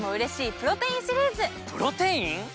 プロテイン？